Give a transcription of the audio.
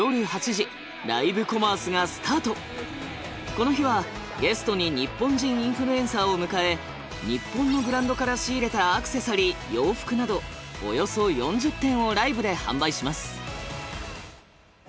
この日はゲストに日本人インフルエンサーを迎え日本のブランドから仕入れたアクセサリー洋服などおよそ４０点をライブで販売します。